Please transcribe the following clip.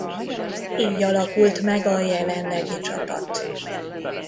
Így alakult meg a jelenlegi csapat.